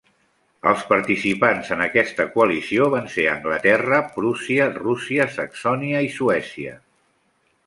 Els participants en aquesta coalició van ser Anglaterra, Prússia, Rússia, Saxònia i Suècia.